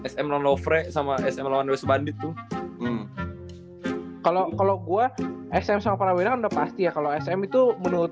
sm correspond itu kalau kalau gua sm sama verwira udah pasti ya kalau ada itu menurut